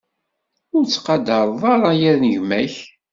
Ur tettqadareḍ ara yanegma-k.